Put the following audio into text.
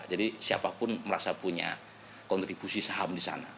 jadi siapapun merasa punya kontribusi saham di sana